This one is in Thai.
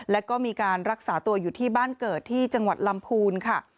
แล้วก็มีการรักษาตัวอยู่ที่บ้านเกิดที่จังหวัดลำพูนค่ะ